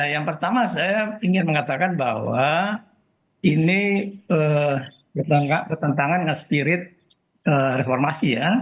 yang pertama saya ingin mengatakan bahwa ini bertentangan dengan spirit reformasi ya